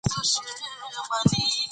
دا خبره منل کېږي.